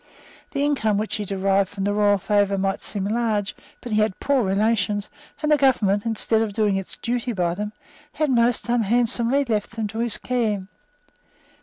The income which he derived from the royal favour might seem large; but he had poor relations; and the government, instead of doing its duty by them, had most unhandsomely left them to his care.